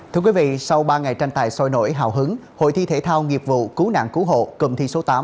thưa quý vị sau ba ngày tranh tài soi nổi hào hứng hội thi thể thao nghiệp vụ cú nạn cú hộ cầm thi số tám